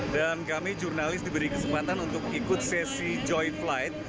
dan kami jurnalis diberi kesempatan untuk ikut sesi joy flight